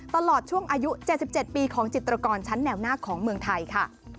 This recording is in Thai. ตลอดช่วงอายุ๗๗ปีของจิตรกรชั้นแนวหน้าของเมืองไทยค่ะ